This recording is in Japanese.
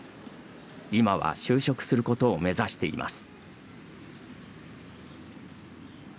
今は就職することを目指しています。